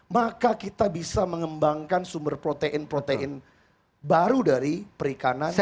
maka kita bisa mengembangkan sumber protein protein baru dari perikanan